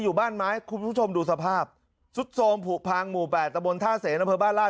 อยู่บ้านไม้คุณผู้ชมดูสภาพสุดโทรมผูกพังหมู่แปดตะบนท่าเสนอำเภอบ้านราช